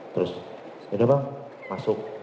terus yaudah bang masuk